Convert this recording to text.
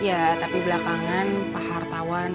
iya tapi belakangan pak hartawan